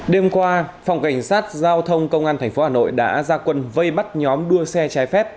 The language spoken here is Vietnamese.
đêm qua phòng cảnh sát giao thông công an tp hà nội đã ra quân vây bắt nhóm đua xe trái phép